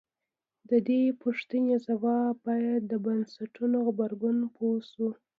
د دې پوښتنې ځواب باید د بنسټونو غبرګون پوه شو.